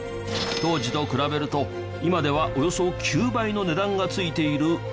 当時と比べると今ではおよそ９倍の値段が付いている金。